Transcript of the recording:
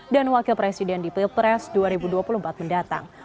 dan wakil presiden di pilpres dua ribu dua puluh empat mendatang